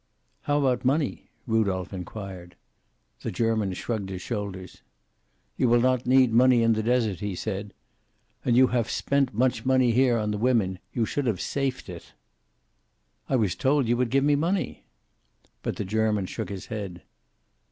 "How about money?" Rudolph inquired. The German shrugged his shoulders. "You will not need money in the desert," he said. "And you haf spent much money here, on the women. You should have safed it." "I was told you would give me money." But the German shook his head.